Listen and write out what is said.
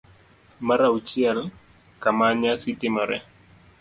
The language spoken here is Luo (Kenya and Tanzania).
mar auchiel. Kama nyasi timoree